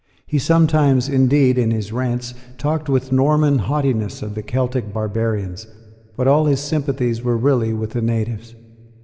He sometimes, indeed, in his rants, talked with Norman haughtiness of the Celtic barbarians: but all his sympathies were really with the natives.